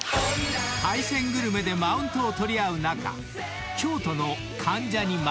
［海鮮グルメでマウントを取り合う中京都の関ジャニ丸山が］